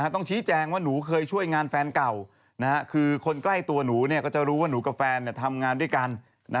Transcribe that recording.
ต้องชี้แจงว่าหนูเคยช่วยงานแฟนเก่าคือคนใกล้ตัวหนูก็จะรู้ว่าหนูกับแฟนทำงานด้วยกัน